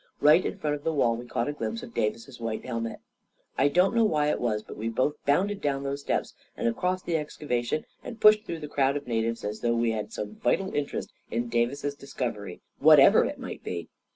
Right in front of the wall, we caught a glimpse of Davis's white helmet A KING IN BABYLON 195 I don't know why it was, but we both bounded down those steps and across the excavation, and pushed through the crowd of natives, as though we had some vital interest in Davis's discovery, what ever it might be.